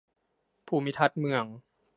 ภูมิทัศน์เมือง